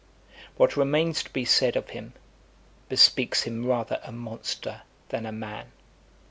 What remains to be said of him, bespeaks him rather a monster than a man.